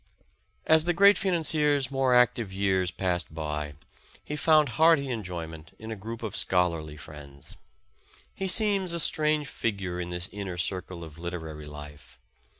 As the great financier's more active years passed b3\ he found hearty enjo^^ment in a group of scholarly friends. He seems a strange figure in this inner circle of literar}' life.